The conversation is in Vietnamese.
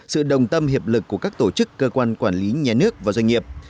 sự đồng tâm hiệp lực của các tổ chức cơ quan quản lý nhà nước và doanh nghiệp